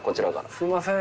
すみません。